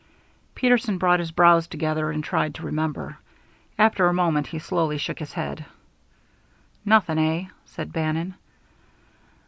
Peterson brought his brows together and tried to remember. After a moment he slowly shook his head. "Nothing, eh?" said Bannon.